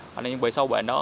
hoặc là bị sâu bệnh đó